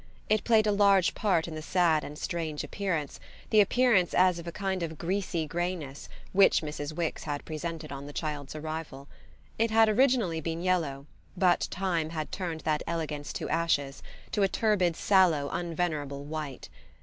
It played a large part in the sad and strange appearance, the appearance as of a kind of greasy greyness, which Mrs. Wix had presented on the child's arrival. It had originally been yellow, but time had turned that elegance to ashes, to a turbid sallow unvenerable white.